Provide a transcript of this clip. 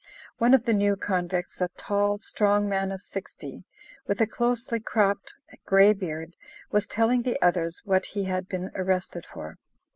One of the new convicts, a tall, strong man of sixty, with a closely cropped grey beard, was telling the others what be had been arrested for.